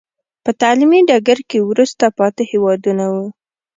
په تعلیمي ډګر کې وروسته پاتې هېوادونه وو.